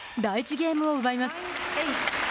ゲームを奪います。